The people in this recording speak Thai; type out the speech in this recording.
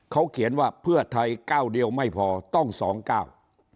เขาเขียนว่าเพื่อไทยก้าวเดียวไม่พอต้องสองเก้า